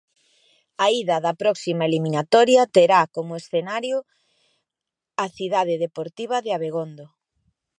A ida da próxima eliminatoria terá como escenario a Cidade Deportiva de Abegondo.